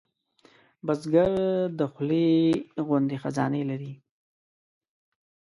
بزګر د خولې غوندې خزانې لري